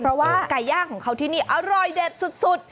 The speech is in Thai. เพราะว่าไก่ย่างของเขาที่นี่อร่อยเด็ดสุด